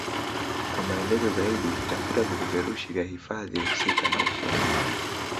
Kwa maelezo zaidi tafuta vipeperushi vya hifadhi husika na usome